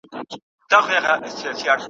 په لمبو د کوه طور کي نڅېدمه `